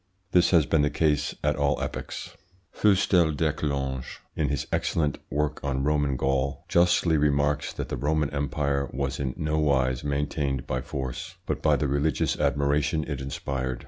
This has been the case at all epochs. Fustel de Coulanges, in his excellent work on Roman Gaul, justly remarks that the Roman Empire was in no wise maintained by force, but by the religious admiration it inspired.